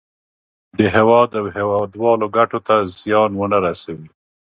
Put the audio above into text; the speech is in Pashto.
د هېواد او هېوادوالو ګټو ته زیان ونه رسوي.